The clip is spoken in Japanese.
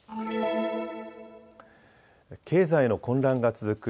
経済の混乱が続く